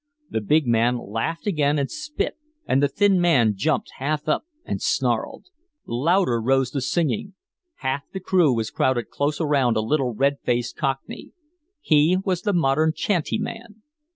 The big man laughed again and spit, and the thin man jumped half up and snarled. Louder rose the singing. Half the crew was crowded close around a little red faced cockney. He was the modern "chanty man."